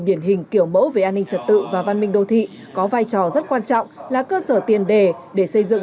điển hình kiểu mẫu về an ninh trật tự và văn minh đô thị có vai trò rất quan trọng là cơ sở tiền đề để xây dựng